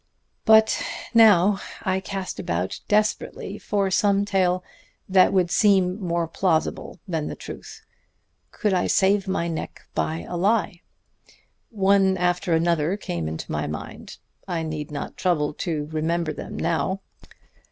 "But now I cast about desperately for some tale that would seem more plausible than the truth. Could I save my neck by a lie? One after another came into my mind; I need not trouble to remember them now.